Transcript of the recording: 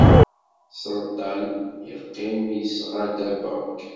Sseltan, yeqqim yesɣada berk.